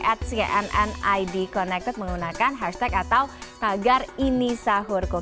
di twitter kami at cnn id connected menggunakan hashtag atau tagar ini sahur kok